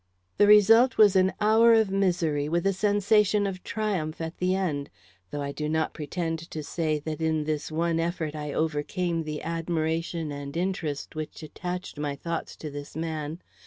The result was an hour of misery, with a sensation of triumph at the end; though I do not pretend to say that in this one effort I overcame the admiration and interest which attached my thoughts to this man.